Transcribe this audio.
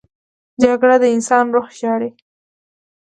جګړه د انسان روح ژاړي